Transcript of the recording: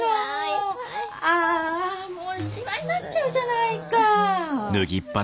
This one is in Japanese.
ああもうシワになっちゃうじゃないか！